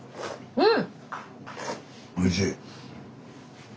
うん。